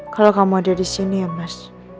kalau kamu ada di sini ya mas